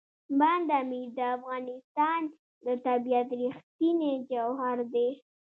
بند امیر د افغانستان د طبیعت رښتینی جوهر دی.